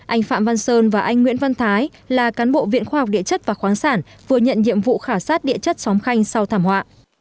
anh phạm văn sơn và anh nguyễn văn thái là cán bộ viện khoa học địa chất và khoáng sản vừa nhận nhiệm vụ khảo sát địa chất xóm khanh sau thảm họa